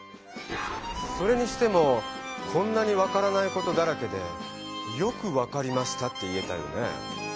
それにしてもこんなに分からないことだらけでよく「分かりました」って言えたよね。